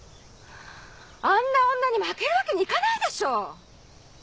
あんな女に負けるわけにいかないでしょう！